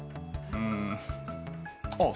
うんあっ！